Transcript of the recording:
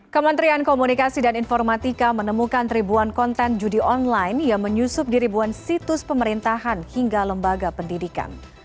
kementerian komunikasi dan informatika menemukan ribuan konten judi online yang menyusup di ribuan situs pemerintahan hingga lembaga pendidikan